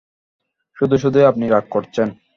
শুধু শুধুই আপনি রাগ করছেন।